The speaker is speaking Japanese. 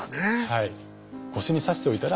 はい。